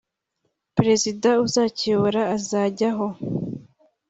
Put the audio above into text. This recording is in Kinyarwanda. Perezida uzakiyobora azajyaho